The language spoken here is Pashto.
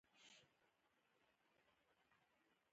مجاهد د الله د نوم سره اشنا وي.